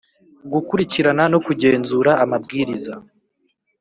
Gukurikirana no kugenzura amabwiriza